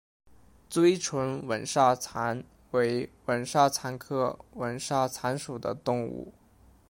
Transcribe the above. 锥唇吻沙蚕为吻沙蚕科吻沙蚕属的动物。